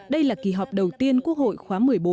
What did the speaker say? đây là kỳ họp đầu tiên quốc hội khóa một mươi bốn